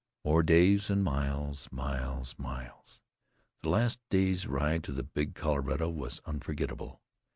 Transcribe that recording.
More days, and miles, miles, miles! The last day's ride to the Big Colorado was unforgettable.